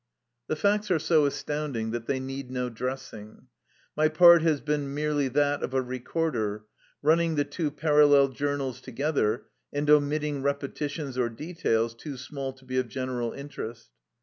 The facts are so astounding that they need no dressing. My part has been merely that of a recorder, running the two parallel journals together and omitting repetitions or details too small to be of general interest.